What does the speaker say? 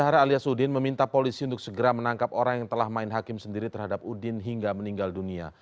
bahara alias udin meminta polisi untuk segera menangkap orang yang telah main hakim sendiri terhadap udin hingga meninggal dunia